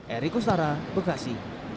erik ustara bekasi